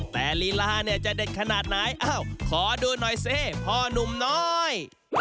แต่ลีลาเนี่ยจะเด็ดขนาดไหนอ้าวขอดูหน่อยสิพ่อนุ่มน้อย